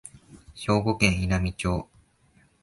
兵庫県稲美町